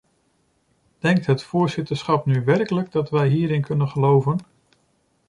Denkt het voorzitterschap nu werkelijk dat wij hierin kunnen geloven?